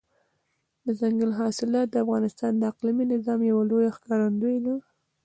دځنګل حاصلات د افغانستان د اقلیمي نظام یوه لویه ښکارندوی ده.